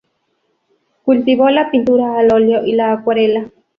Cultivó la pintura al óleo y la acuarela.